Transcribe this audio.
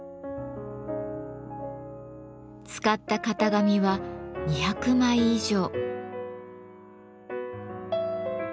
使った型紙は２００枚以上。